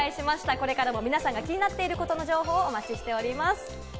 これからも皆さんが気になっていることの情報をお待ちしております。